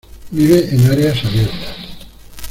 Vive en áreas abiertas.